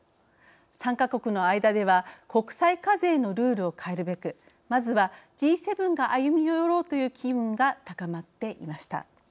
参加国の間では国際課税のルールを変えるべくまずはＧ７が歩み寄ろうという機運が高まっていました。